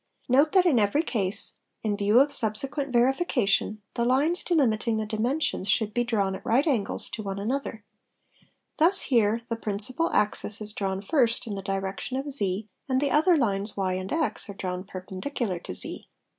Note that in every case, in view of subsequent verification, the lines delimiting the dimensions should be drawn at right angles to one another ; thus here the principal axis is drawn first in the direction of z and the other lines y and x are drawn perpendicular to z.